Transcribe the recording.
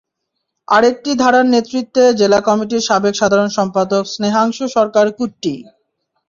আরেকটি ধারার নেতৃত্বে জেলা কমিটির সাবেক সাধারণ সম্পাদক স্নেহাংশু সরকার কুট্টি।